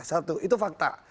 satu itu fakta